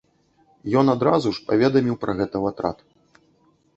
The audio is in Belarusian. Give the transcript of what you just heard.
Ён адразу ж паведаміў пра гэта ў атрад.